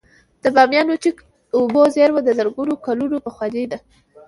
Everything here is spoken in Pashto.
د بامیانو چک اوبو زیرمه د زرګونه کلونو پخوانۍ ده